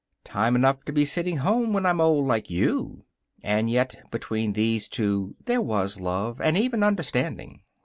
"Time enough to be sittin' home when I'm old like you." And yet between these two there was love, and even understanding.